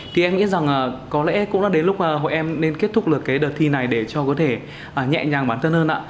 thì em nghĩ rằng có lẽ cũng là đến lúc hội em nên kết thúc được cái đợt thi này để cho có thể nhẹ nhàng bản thân hơn ạ